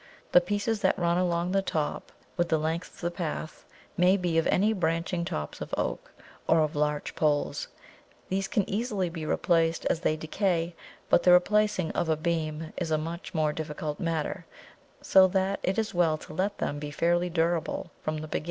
The pieces that run along the top, with the length of the path, may be of any branching tops of oak, or of larch poles. These can easily be replaced as they decay; but the replacing of a beam is a more difficult matter, so that it is well to let them be fairly durable from the beginning.